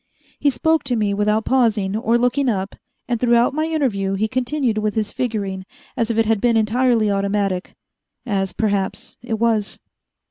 He spoke to me without pausing or looking up, and throughout my interview he continued with his figuring as if it had been entirely automatic as perhaps it was.